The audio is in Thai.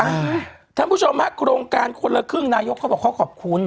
ท่านผู้ชมฮะโครงการคนละครึ่งนายกเขาบอกเขาขอบคุณ